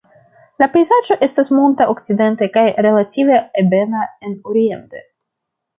La pejzaĝo estas monta okcidente kaj relative ebena en oriente.